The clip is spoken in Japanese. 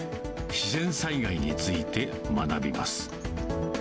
自然災害について学びます。